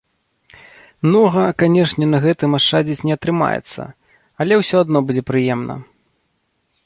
Многа, канешне, на гэтым ашчадзіць не атрымаецца, але ўсё адно будзе прыемна.